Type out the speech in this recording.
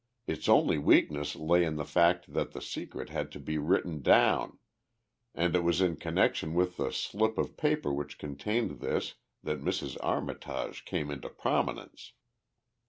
Its only weakness lay in the fact that the secret had to be written down and it was in connection with the slip of paper which contained this that Mrs. Armitage came into prominence.